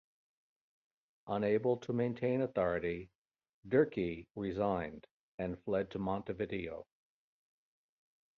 Unable to maintain authority, Derqui resigned and fled to Montevideo.